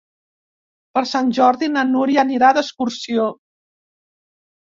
Per Sant Jordi na Núria anirà d'excursió.